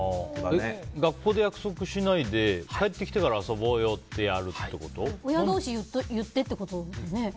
学校で約束しないで帰ってきてから親同士言ってってこと？